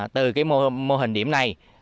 từ mô hình điểm này